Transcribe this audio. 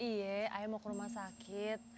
iya ayo mau ke rumah sakit